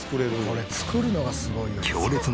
これ作るのがすごいよな。